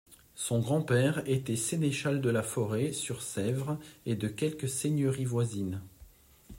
Son grand-père était sénéchal de la Forêt sur Sèvre et de quelques seigneuries voisines.